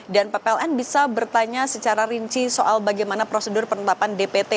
dan ppln bisa bertanya secara rinci soal bagaimana prosedur penetapan dpt